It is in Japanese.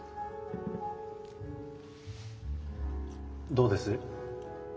どうです？